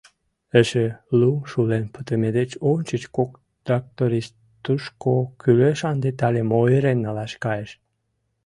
Эше лум шулен пытыме деч ончыч кок тракторист тушко кӱлешан детальым ойырен налаш кайыш.